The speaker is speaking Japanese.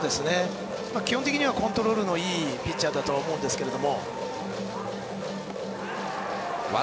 基本的にはコントロールのいいピッチャーだと思うんですけど。